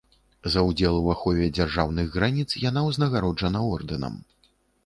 За ўдзел у ахове дзяржаўных граніц яна ўзнагароджана ордэнам.